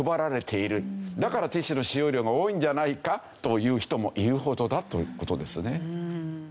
だからティッシュの使用量が多いんじゃないかと言う人もいるほどだという事ですね。